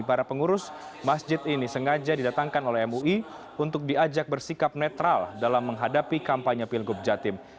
para pengurus masjid ini sengaja didatangkan oleh mui untuk diajak bersikap netral dalam menghadapi kampanye pilgub jatim